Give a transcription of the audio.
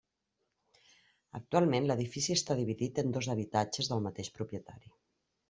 Actualment l'edifici està dividit en dos habitatges, del mateix propietari.